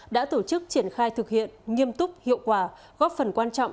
đã tổ chức triển khai thực hiện nghiêm túc hiệu quả góp phần quan trọng